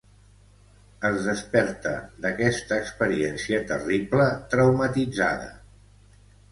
Es desperta d'aquesta experiència terrible traumatitzada.